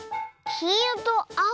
きいろとあお？